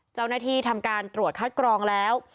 เจ้าหน้าที่ทำการตรวจคัดกรองแล้ว